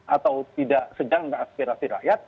atau tidak sedang dengan aspirasi rakyat